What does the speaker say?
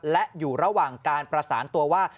และอยู่ระหว่างการประสานตัวว่า